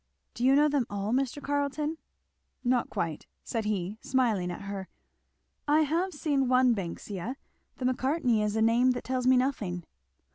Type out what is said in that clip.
"Do you know them all, Mr. Carleton?" "Not quite," said he smiling at her. "I have seen one Banksia the Macartney is a name that tells me nothing."